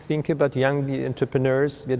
nhưng không chỉ tốt cho người việt